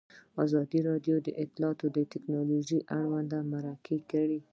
ازادي راډیو د اطلاعاتی تکنالوژي اړوند مرکې کړي.